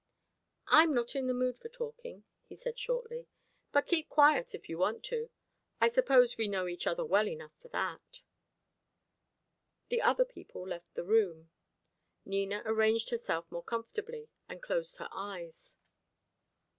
"I'm not in the mood for talking," he said, shortly. "But keep quiet, if you want to. I suppose we know each other well enough for that." The other people left the room. Nina arranged herself more comfortably, and closed her eyes.